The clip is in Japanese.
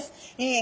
え